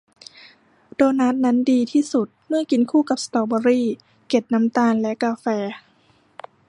โดนัทนั้นดีที่สุดเมื่อกินคู่กับสตรอเบอร์รี่ เกล็ดน้ำตาล และกาแฟ